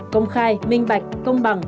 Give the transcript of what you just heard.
công khai minh bạch công bằng